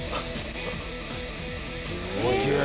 すげえ。